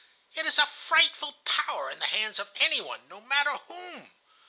It is a frightful power in the hands of any one, no matter whom.